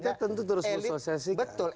kita tentu terus men socialisasi kan